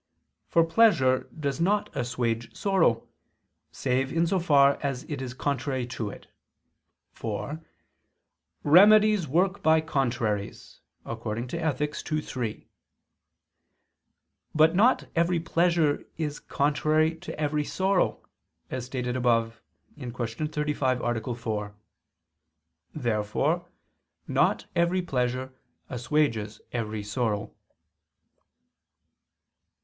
For pleasure does not assuage sorrow, save in so far as it is contrary to it: for "remedies work by contraries" (Ethic. ii, 3). But not every pleasure is contrary to every sorrow; as stated above (Q. 35, A. 4). Therefore not every pleasure assuages every sorrow.